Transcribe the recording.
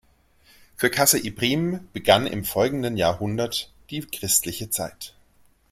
Für Qasr Ibrim begann im folgenden Jahrhundert die christliche Zeit.